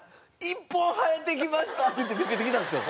「１本生えてきました！」って言って見せてきたんですよ。